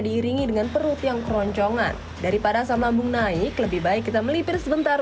diiringi dengan perut yang keroncongan daripada asam lambung naik lebih baik kita melipir sebentar